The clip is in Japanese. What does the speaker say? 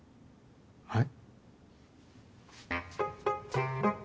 はい？